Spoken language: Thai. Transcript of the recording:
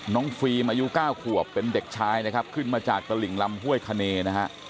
ฟิล์มอายุ๙ขวบเป็นเด็กชายนะครับขึ้นมาจากตลิ่งลำห้วยคเนนะฮะ